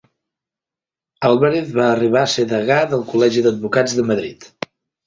Álvarez va arribar a ser degà del Col·legi d'Advocats de Madrid.